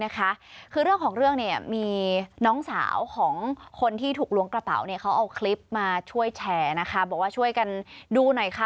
เขาเอาคลิปมาช่วยแชร์นะคะบอกว่าช่วยกันดูหน่อยค่ะ